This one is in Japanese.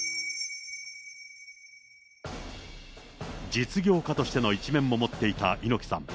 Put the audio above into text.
実業家としての一面も持っていた猪木さん。